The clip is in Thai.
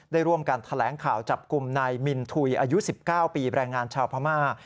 ได้ร่วมกันแถลงข่าวจับกลุ่มนายมินทุยอายุ๑๙ปีแรงงานชาวพม่า